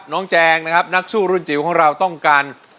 โคตรเลวในดวงใจ